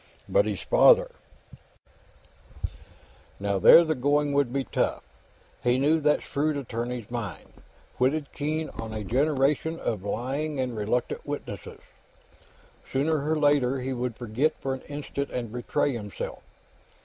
But his father Now, there the going would be tough. He knew that shrewd attorney's mind, whetted keen on a generation of lying and reluctant witnesses. Sooner or later, he would forget for an instant and betray himself.